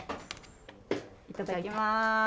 いただきます。